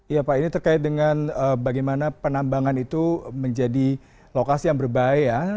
ya pak ini terkait dengan bagaimana penambangan itu menjadi lokasi yang berbahaya